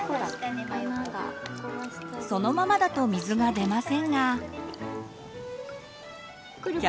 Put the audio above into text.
そのままだと水が出ませんが。